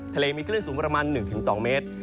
ทะเลมีคลื่นสูงประมาณ๑๒เมตร